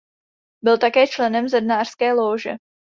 Byl také členem zednářské lóže.